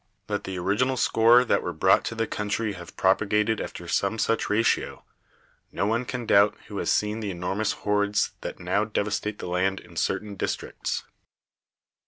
That the original score that were brought to the country have propagated after some such ratio, no one can doubt who has seen the enormous hordes that now devastate the land in certain districts.